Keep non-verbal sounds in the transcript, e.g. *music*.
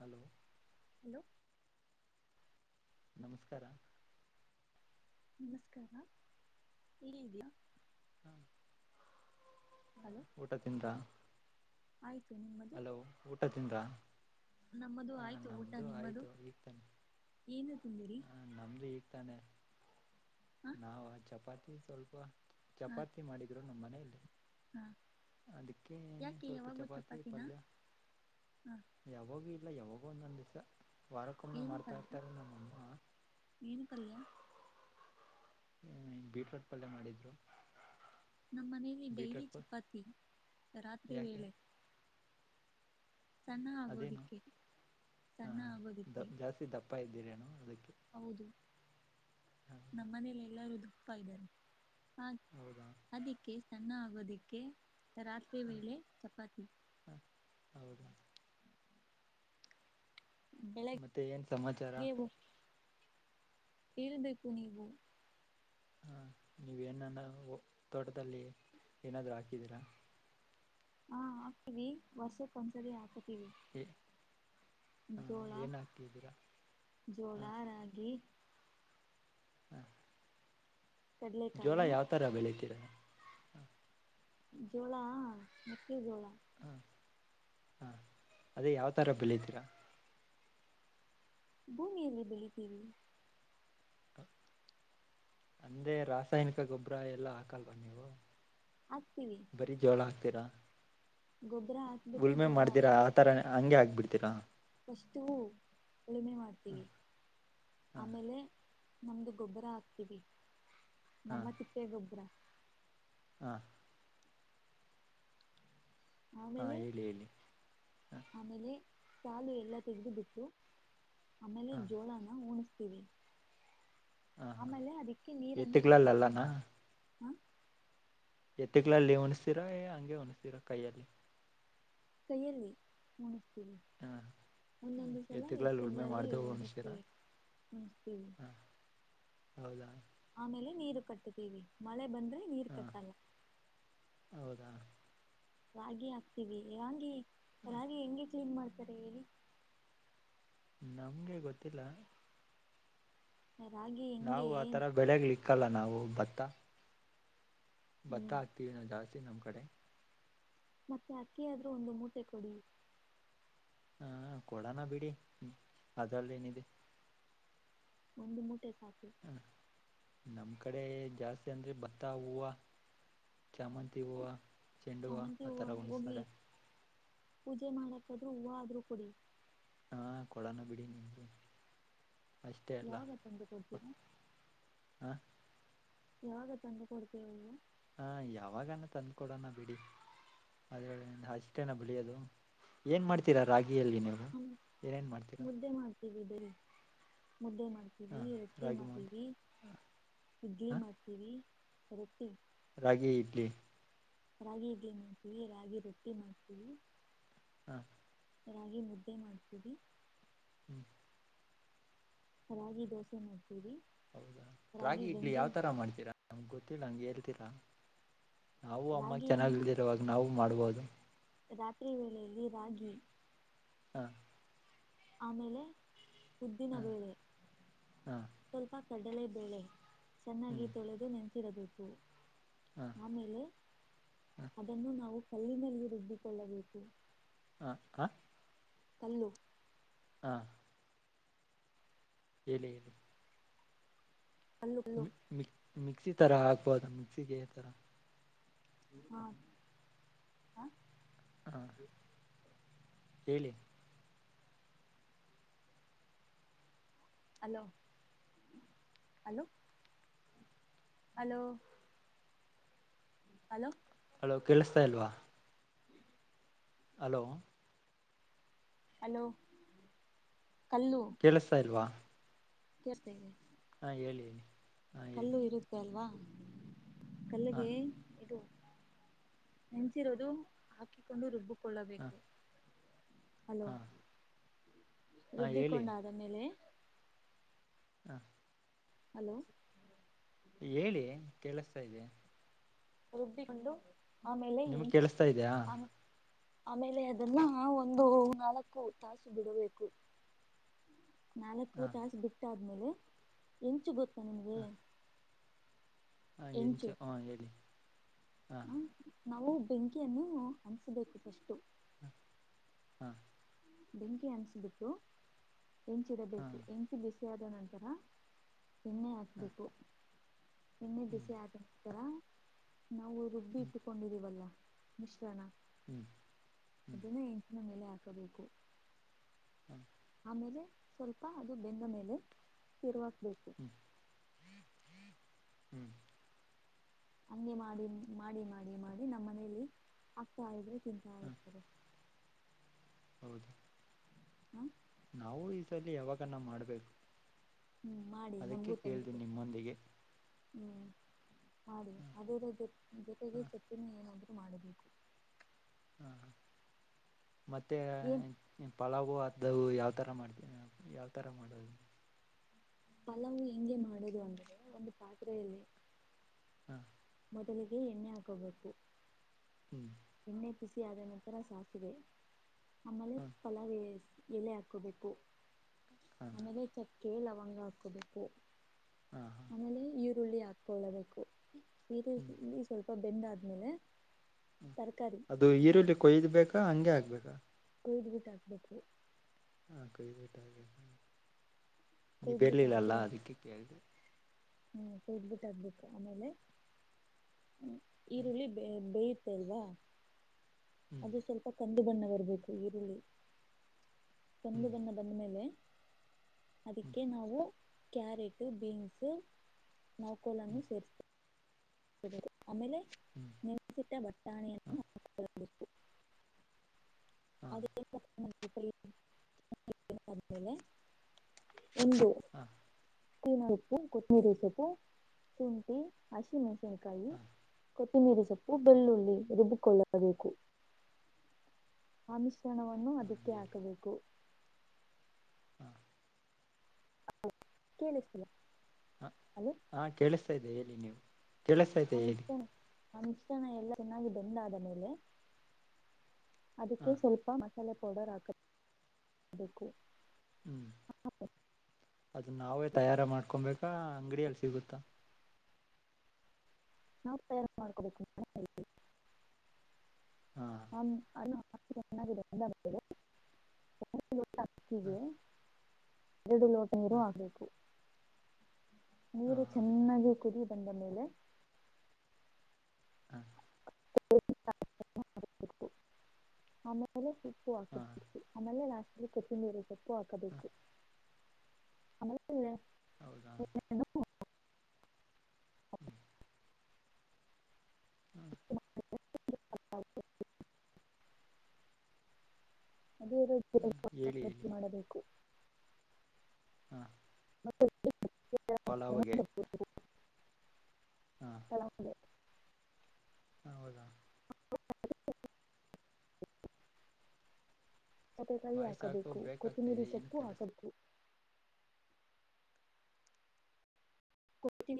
Hello *unintelligible* hello. *unintelligible* ನಮಸ್ಕಾರ. *inaudible* ನಮಸ್ಕಾರ ಎಲ್ಲಿ ಇದಿಯಾ *inaudible* ಹ್ಮ ಹಲೋ ಊಟ ತಿಂದ. *inaudible* ಆಯ್ತು ನಿಮ್ಮದು ಹಲೋ ಊಟ ತಿಂದ ನಮ್ಮದು *inaudible* ಹ ಆಯ್ತು ಊಟ ನಮ್ದು ನಿಮ್ಮದು ಆಯ್ತು ಈತಾನೆ ಏನು ತಿಂದಿರಿ ಹಾ ನಮ್ದು ಈಗ್ತಾನೆ ಹ ನಾವ್ ಚಪಾತಿ ಸ್ವಲ್ಪ ಹ ಚಪಾತಿ ಮಾಡಿದ್ರು ನಮ್ಮ್ ಮನೆಯಲ್ಲಿ ಹ ಅದಕ್ಕೆ ಯಾಕೆ ಸ್ವಲ್ಪ ಯಾವಾಗೂ ಚಪಾತಿ ಚಪಾತಿನ ಪಲ್ಯ ಹ ಯಾವಾಗೂ ಇಲ್ಲ ಯಾವಾಗೂ ಒಂದೊಂದ್ ದಿವ್ಸ ವಾರಕ್ಕೊಮ್ಮನೆೆ ಮಾಡ್ತಾ ಇರ್ತಾರೆ ನಮ್ಮಂದ ಏನ್ ಪಲ್ಯ ಬೀಟ್ರೂಟ್ ಪಲ್ಯ ಮಾಡಿದ್ರು *inaudible* ನಮ್ಮ ಮನೇಲಿ ಡೇಯ್ಲಿ ಬೀಟ್ರೋಟ್ ಪ ಚಪಾತಿ ರಾತ್ರಿ ಯಾಕೆ ವೇಳ ಸಣ್ಣ ಅದೇನು ಆಗೋದಿಕ್ಕೆ ಹಾ ಸಣ್ಣ ದ ಆಗೋದಿಕ್ಕೆ ಜಾಸ್ತಿ ದಪ್ಪ ಇದ್ದೀರೇನು ಅದಕ್ಕೆ ಹೌದು ನಮ್ಮ ಮನೇಲಿ ಎಲ್ಲರೂ ದಪ್ಪ ಆ ಹೌದಾ ಅದಿಕ್ಕೆ ಸಣ್ಣ ಆಗೋದಿಕ್ಕೆ ರಾತ್ರಿ ವೇಳ ಚಪಾತಿ ಹೌದಾ *inaudible* ಬೆಳಗ್ಗೆ ಮತ್ತೆ ಏನ್ ಸಮಾಚಾರ. *inaudible* ಹೇಳ್ಬೇಕು ನೀವು. ಹಾ ನೀವೇನಾನ ತೋಟದಲ್ಲಿ ಏನಾದ್ರು ಹಾಕಿದೀರಾ. ಹಾ ಆಗ್ತೀವಿ ಹೊರ್ಸ ಕೊಂದ್ ಸರಿ ಆಕವಿ. ಈ. *unintelligible* ಜೋಳಾ ಜೋಳಾ ರಾಗಿ. *inaudible* ಹಾ. *unintelligible* ಜೋಳ ಕಡ್ಲೆಕಾಯಿ, ಯಾವ್ ತರ ಬೆಳಿತೀರ. *inaudible* ಜೋಳಾ ಮೆಕ್ಕೆ ಜೋಳಾ. ಹಾ ಹಾ ಅದೇ ಯಾವತರ ಬೆಲೆ ಇದ್ದೀರಾ. ಭೂಮಿಯಲ್ಲಿ ಬೆಳಿತೀವಿ. ಅಂದೇ ರಾಸಾಯನಿಕ ಗೊಬ್ಬರ ಎಲ್ಲ ಹಾಕಲ್ವಾ ನೀವು ಹಾಕ್ತಿವಿ ಬರೀ ಜೋಳ ಹಾಕ್. ತ್ತರ. ಗೊಬ್ಬರ ಹಾಕಬಿಟ್ಟು ಜೋಳಾ. ಥರ ಹಂಗೆ ಆಗ್ಬಿಡ್ತೀರಾ. ಇಷ್ಟು ಉಳುಮೆ ಮಾಡ್ತೀವಿ ಹಾಂ ಆಮೇಲೆ. ನಮ್ದು ಗೊಬ್ಬರ ಹಾಕ್ತೀವಿ ನಮ್ಮ ತಿಪ್ಪೆ ಗೊಬ್ಬರ. ಹಾ. ಹಾಂ ಆಮೇಲೆ ಹೇಳಿ ಹೇಳಿ ಹಾಂ ಆಮೇಲೆ. ಸಾಾಲು ಎಲ್ಲಾ ತೆಗೆದು ಬಿಟ್ಟು ಆಮೇಲೆ ಹಾಂ ಜೋಳನ ಉಣಿಸ್ತೀವಿ ಹ ಹಾ ಆಮೇಲೆ ಎತ್ತುಕಲ ಇಲ್ಲಲ್ಲಣ. ಹ್ಮ ಎತ್ತಕ್ಲ ಅಲ್ಲಿ ಉಣಿಸ್ತೀರಾ ಹಂಗೆ ಉಣಿಸ್ತೀರ ಕೈಯಲ್ಲಿ ಕೈಯಲ್ಲಿ ಮುಗಿಸ್ತೀಿ. ಹಾಂ ಒಂದೊಂದು ಸಲ ಎತ್ತುಗಳಲ್ಲಿ ಉಳುಮೆ ಎತ್ತಗಳಲ್ಲಿ ಮಾಡಿದೆ ಉಣಿಸ್ತೀರಾ ಹದಕ್ಕೆ ಮುನಿಸ್ತೀವಿ. ಹಾಂ ಹೌದಾ. ಆಮೇಲೆ ನೀರು ಕಟ್ಟತೀವಿ ಮಳೆ ಬಂದ್ರೆ ನೀರ್ ಹಾಂ ಕಟ್ಟಲ್ಲ. ಹೌದಾ ರಾಗಿ ಹಾಕ್ತೀವಿ ರಾಗಿ ರಾಗಿ ಹೆಂಗೆ ಕ್ಲೀನ್ ಮಾಡ್ತಾರೆ ಹೇಳಿ. ನಮ್ಗೆ ಗೊತ್ತಿಲ್ಲ ರಾಗಿ ಹೆಂಗೆ ನಾವು ಆತರ ಬೆಳಗ್ಲಿ ಇಕ್ಕಲ್ಲ ನಾವು ಭತ್ತ. ಭತ್ತ ಹ್ಮ್ ಹಾಕ್ತೀವಿ ನಾವು ಜಾಸ್ತಿ ನಮ್ ಕಡೆ ಮತ್ತೆ ಅಕ್ಕಿಯಾದ್ರೂ ಒಂದು ಮೂಟೆ ಕೊಡಿ. ಹಾ ಕೊಡೋನ ಬಿಡಿ ಅದ್ರಲ್ಲ ಏನಿದೆ ಒಂದು ಮೂಟೆ ಸಾಕು. ನಮ್ ಕಡೆ ಜಾಸ್ತಿ ಅಂದ್ರೆ ಭತ್ತ ಹೂವ ಚಾಮಂತಿ ಹೂವ ಚೆಂಡವ ಚಾಮಂತಿ ಆ ಹೂವು ಥರ ಹೋಗ್ಲಿ ಉಣಿಸ್ತಾರೆ. ಪೂಜೆ ಮಾಡಕಾದ್ ಹೂವ ಆದ್ರೂ ಕುಡಿ ಹಾ ಕೊಡಾನ ಬಿಡಿ ನಿಮಗೆ ಯಾವ ತಂದು ಕೊಡ್ತೀರಾ ಹ. ಯಾವಾಗ ತಂಗ ಕೊಡ್ತೀವ ಹಾ ಯಾವಾಗಾನ ತಂದ್ ಕೊಡೋಣ ಬಿಡಿ. ಅದ ಹೇಳ ಅಷ್ಟೇನ ಬೆಳಿಯೋದು ಏನ್ ಮಾಡ್ತೀರಾ ರಾಗಿ ಅ ಎಲ್ದ ನೀು ಏನೇನು ಮಾಡ್ತೀರಾ. ದ. ಮುದ್ದೆ ಹ ಮಾಡ್ತೀವಿ ರೊಟ್ಟಿ ರಾಗಿ ಮೋಹನ್ ಮಾಡ್ತೀವಿ ಇಡ್ಲಿ ಹ ಮಾಡ್ತೀವಿ. ರೊಟ್ಟಿ. ರಾಗಿ ಇಡ್ಲಿ. ರಾಗಿ ಇಡ್ಲಿ ಮಾಡಕವಿ ರಾಗಿ ರೊಟ್ಟಿ ಮಾಡ್ಕೀ. ಹ್ಮ ರಾಗಿ ಮುದ್ದೆ ಮಾಡ್ತೀವಿ. ಹ್ಮ್ ರಾಗಿ ದೋಸಿ ನ. ಹೌದಾ ರಾಗಿ ಇಡ್ಲಿ ಯಾವ್ ತರ ಮಾಡ್ತೀರಾ ನಮ್ ಗೊ ಇಲ್ಲ ಹಂಗೆ ಹೇಳ್ತೀರಾ ನಾವು ಅಮ್ಮಗೆ ಚೆನ್ನಾಗಿ ರಾಗಿಯನ್ನ ಇಲ್ದಿರ ಇವಾಗ ನಾವು ಮಾಡ್ಬೋುದು. ರಾತ್ರಿ ವೇಳೆಯಲ್ಲಿ ರಾಗಿ ಹಾ ಆಮೇಲೆ ಉದ್ದಿನ ಬೇಳೆ ಹಾ ಸ್ವಲ್ಪ. ಕಡಲೆಬೇಳೆ ಚೆನ್ನಾಗಿ ಹ್ಮ್ ತೊಳೆದು ನೆನೆಸಿರಬೇಕು? ಹಾ *unintelligible* ಆಮೇಲೆ, ಅದನ್ನು, ನಾವು ಕೈನಲ್ಲಿ, ರುಬ್ಬಿಕೊಳ್ಳಬೇಕು. *unintelligible* ಹ, ಹಾ. *unintelligible* ತಲೆನೋವು. *unintelligible* ಹಾ. *unintelligible* ಹೇಳಿಹೇಳಿ. *unintelligible* ಕಲ್ಲು ಕಲ್ಲು ಮೀ, ಮೀ, ಮಿಕ್ ಮಿಕ್ಸಿ ತರ ಹಾಕ್ಬೋದು, ಮಿಕ್ಸಿಗೆ ತರ? *unintelligible* ಹ, ಹ, ಹ. ಹಾ *unintelligible* ಹೇಳಿ? *unintelligible* Hello, hello. *unintelligible* Hello. *unintelligible* Hello. *unintelligible* Hello, ಕೇಳಿಸತಾ, ಇಲ್ವಾ. ! *unintelligible* ಹಲೋ. *inaudible* ಹಲೋ. *unintelligible* ಕೇಳಿಸ್ತಾ ಇಲ್ವಾ. *inaudible* ಕೇಳಿಸ್ತಾ ಇದೆ. *inaudible* ಹಾ, ಹೇಳಿ. *unintelligible* ಕಲ್ಲು, ಇರುತ್ತೆ ಅಲ್ವಾ? *inaudible* ಹಾ ಕಲ್ಲಿಗೆ, ಇದು, ನಿಂತಿರೋದು, ಹಾಕಿಕೊಂಡು ರುಬ್ಬು. *inaudible* ಹಾ ಕೊಳ್ಳಬೇಕು, ಹಲೋ? ಹಾ *unintelligible* ಹಾ ಹೇಳಿ ರುಬ್ಬಿಕೊಂಡ, ಅ ಆದ್ಮೇಲೆ. *unintelligible* ಹ. *unintelligible* ಹಲೋ. *unintelligible* ಹೇಳಿ, ಕೇಳಿಸ್ತಾಯಿದೆ. *unintelligible* ರುಬ್ಬಿಕೊಂಡು, ಆಮೇಲೆ, ನಿಮ್ಗೆ ಈಚ್, ಕೇಳಿಸ್ತಾ ಇದೆಯಾ ಆ. *unintelligible* ಆಮೇಲೆ, ಅದನ್ನ, ಒಂದು ನಾಲ್ಕು ತಾಸು ಬಿಡಬೇಕು. *unintelligible* ನಾಲ್ಕು, ಹಾ ತಾಸು ಬಿಟ್ಟುಡುಮೆಲೈ, ಇಂಚ್, ಗೊತ್ತ. *unintelligible* ಹಾ ಹಾ, ಇಂಚ್, ಹೆಂಚು ಹಾ, ಹೇಳಿ? *unintelligible* ಹಾ ಹ, ನಾವು ಬೆಂಕಿಯನ್ನು, ಹನ್ಸಬೇಕು! ಫಸ್ಟ್. *unintelligible* ಹ. *inaudible* ಬೆಂಕಿ, ಅನ್ಸ್ಬಿಟ್ಟು, ಹೆಂಚಿ, ಹಾ ಇಡಬೇಕು ಎಂಕಿ ಬಿಸಿ. *unintelligible* ಅಕ್ಕಿ, ಆದ ನಂತರ ಎಣ್ಣೆ ಹಾ ಹಾಕ್ಬೇಕು. *unintelligible* ನಿನ್ನೆ, ಹ್ಮ್ ಬಿಸಿ ಆಗರ್ತೀರಾ? *unintelligible* ನಾವು, ರುಬ್ಬಿ ಹ್ಮ್ ಇಟ್ಟುಕೊಂಡಿದೀವಲ್ಲ! ಮಿಶ್ರಣ ಹ್ಮ್ ಹ್ಮ್ ಅದನ್ನ ಎ. *unintelligible* ಎಲ್ಲಾ, ಹಾಕಬೇಕು. *unintelligible* ಆಮೇಲೆ, ಸ್ವಲ್ಪ ಅದು ಬೆನ್ನ, ಮೇಲೆ, ತಿರುವ ಹಾಕಬೇಕು. ಹ್ಮ್ ಹ್ಮ್ *unintelligible* ಹ್ಮ್. *inaudible* ಹಂಗೆ, ಮಾಡಿ, ಮಾಡಿ, ಮಾಡಿ, ಮಾಡಿ! ನಮ್ಮ್ ಮನೇಲಿ, ಆಗ್ತಾ ಇದ್ರೆ. *unintelligible* ತಿಂತಾ, ಹ್ಮ್ ಇರ್ತಾರೆ! *unintelligible* ಹೌದು. *unintelligible* ಹ್ಮ. *unintelligible* ನಾವು, ಈ ಸಲ ಯಾವಾಗನ್ನ ಮಾಡ್ಬೇಕು? *unintelligible* ಹ್ಮ್ ಮಾಡಿ ಅದಕ್ಕೆ, ನಮಗೂ ಕೇಳುದೇ, ತಂದುಕ ನಿಮ್ಮೊಂದಿಗೆ? *unintelligible* ಹ್ಮ್, ಮಾಡಿ ಅದರ ಜೊ ಜೊತೆಗೆ ಹ ಚಟ್ನಿ ಎನ್ನುವಾದರೂ. *unintelligible* ಊಟ, ಮಾಡಬೇಕು. *unintelligible* ಹ, ಮತ್ತೆ, ಏನ್ ಏನು, ಪಳಾವು.. *unintelligible* ಅದವು, ಯಾವತರ, ಮಾಡ್ತೀವಿ! ಯಾವ್ತರ ಮಾಡೋದು. *unintelligible* ಫಲವು, ಹೆಂಗೆಮಾಡಿಧಿವಿ, ಅಂದ್ರೆ ಒಂದು ಪಾತ್ರೆಯಲ್ಲಿ. *unintelligible* ಹ ಮೊದಲಿಗೆ, ಎಣ್ಣೆ ಹಾಕಬೇಕು.? *unintelligible* ಹ್ಮ್ ಎಣ್ಣೆ ಕುಸಿ ಅದ ನಂತರ ಸಾಸಿದೆ ಆಮೇಲೆ ಹ ಫಲಾವ. *unintelligible* ಎಲೆ ಹಾಕೋಬೇಕು ಹ ಆಮೇಲೆ ಚಕ್ಕೆ ಲವಂಗ ಹಾಕೋಬೇಕು. ಹ ಹ ಆಮೇಲೆ ಈರುಳ್ಳಿ ಹಾಕೊಳ್ಳಬೇಕು ಹ್ಮ್ ಈರುಳ್ಳಳ್ಳಿ ಸ್ವಲ್ಪ. *unintelligible* ಸ್ ಬೆಂದ ಆದ್ಮೇಲೆ. *unintelligible* ಅದು ಈರುಳ್ಳಿ ಕೊಯ್ದ್ಬೇಕಾ ಹಂಗೆ ಆಗ್ಬೇಕಾ. *unintelligible* ಗಯಡ್ ಗಿಟ್ಟ ಹಾಕ್ಬೇಕು. *unintelligible* ಹಾ ಕಟಾಗ ನೀ ಕೊಯ್ದ್ ಬಿಟ್ಟು ಬೆಳಲ್ಲಲ್ಲಾ ಹಾಕಿದ ಅದಕ್ಕೆ ಕೇಳ್ದೆ. *unintelligible* ಹ್ಮ್ ಕುದಬಿಟ್ಟಗ್ಬಿಟ್ಟು ಆಮೇಲೆ ಹ್ಮ ಈರುಳ್ಳಿ ಬೇ. *unintelligible* ಅಲ್ವಾ ಹ್ಮ್ ಅದು ಸ್ವಲ್ಪ ಕಂದು ಬಣ್ಣ ಬರ್ಬೇಕು ಈರುಳ್ಳಿ. *unintelligible* ಹ್ಮ್ ತಂದದನ್ನ ಬಂದ್ಮೇಲೆ. *unintelligible* ಹ್ಮ್ ಅದಕ್ಕೆ ನಾವು ಕ್ಯಾರೆಟ್ ಬೀನ್ಸ್. ನೌಕೋಲನ್ನು ಹ್ಮ್ ಸೇರಿಸಿದರು. ಆಮೇಲೆ ಹ್ಮ್ ನೆಸಿಟ್ಟ ಹ ಬಟ್ಟಾಣೆಯನ್ನು ಹಾ. *unintelligible* ಹ. *unintelligible* ಹ ಅದೇಲೆ. *unintelligible* ಒಂದು ಹ ತಿನ ಉಪ್ಪು ಕೊತ್ತಮಿರಿ ಸೊಪ್ಪು. *unintelligible* ಶುಂಠಿ ಹಸಿಮೆಣಸಿನಕಾಯಿ. ಹ ಕೊತ್ತಿನೀರಿ ಸೊಪ್ಪು ಬೆಳ್ಳುಳ್ಳಿ ರುಬ್ಬಿಕೊಳ್ಳಬೇಕು. ಆ ಮಿಶ್ರಣವನ್ನು ಹ ಅದಕ್ಕೆ ಹೇಳಿ ಹಾಕಬೇಕು. *unintelligible* ಹ ಹ ಕೇಳಿಸತ. *unintelligible* ಹ ಹಾ ಕೇಳಿಸ್ತಾ ಇದ್ದೆ ಹೇಳಿ ನೀವು. *unintelligible* ಇದೆ ಹೇಳಿ ನಮಿಷ್ಟ ನಮ್ಷ್ಟನ ಎಲ್ಲ ಚೆನ್ನಾಗಿದ್ದಂಡ ಆದ ಮೇಲೆ. *unintelligible* ಅದಕ್ಕೆ ಹ ಸ್ವಲ್ಪ ಮಸಾಲೆ ಪೌಡರ್ ಹಾಕಬೇಕು. ಹ್ಮ್. *unintelligible* ಅದನ್ನ ನಾವೇ ತಯಾರ ಮಾಡ್ಕೊಬೇಕಾ ಅಂಗಡಿಯಲ್ಲಿ ಸಿಗುತ್ತಾ. ನವೇ ತಯಾರ್ ಮಾಡ್ಕೋಬೇಕು *unintelligible* ಹಾ ಕೊ ಹ ಅ. ಹ *unintelligible* ಎರಡು ಲೋಟ ನೀರು ಹ ಆಗ್ಬೇಕು. ಹ ನೀರು ಚೆನ್ನಾಗಿ ಕುದಿಯಿ ಬಂದ ಮೇಲೆ. ಹ್ಮ. ಆಮೇಲೆ. *unintelligible* ಪ್ಪು ಹಾ ಹ ಆಮೇಲೆ ನಾ. *unintelligible* ಕೊಪ್ಪ ನೀರಿ ಸಪ್ಪು ಹಾಕಬೇಕು ಆಮಲ್ಲ. ಹೌದಾ *unintelligible* ು. *unintelligible* ಹ ಹ *unintelligible* ಅದೇ ಹ ಹೇಳಿ ರೃದಿ ಹೇಳಿ ಮಾಡಬೇಕು. *unintelligible* ಹ್ಮ. ಮತ್ತ. *unintelligible* ಪಲಾವಗೆ ಹಾ. ಕೆಲವು ಹೌದಾ. ಹ *unintelligible* ಸತೆಕಾಯಿ ವಾಯ್ಸ್ ಹಾಕೋ ಹಾಕಬೇಕು ಬ್ರೇಕ್ ಆಗ್ತಾ ಕೊತ್ತಂಬರಿ ಇದೆ ಏನು ಸೊಪ್ಪು ಕೆಲಸ ಹಾಕಬೇಕು. ಕೋತ್ಮರಿ.